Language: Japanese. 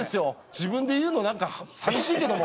自分で言うの何か寂しいけども。